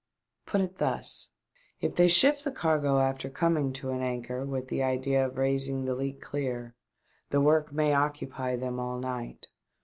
Put it thus ; if they shift the cargo after coming to an anchor with the idea of raising the leak clear, the work may occupy them all night.